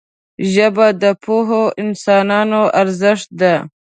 ژبه د پوهو انسانانو ارزښت ده